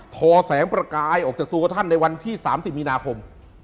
อแสงประกายออกจากตัวท่านในวันที่๓๐มีนาคม